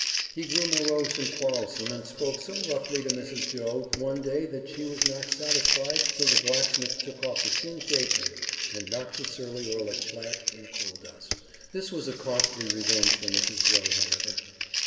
He grew morose and quarrelsome and spoke so roughly to Mrs. Joe one day that she was not satisfied till the blacksmith took off his singed apron and knocked the surly Orlick flat in the coal dust. This was a costly revenge for Mrs. Joe, however.